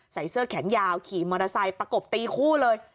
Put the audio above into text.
ใส่เสื้อแขนยาวขี่มอเตอร์ไซค์ประกบตีคู่เลย